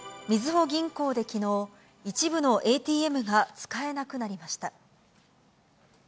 みずほ銀行できのう、一部のＡＴＭが使えなくなりました。